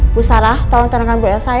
bu sarah tolong tenangkan bu elsa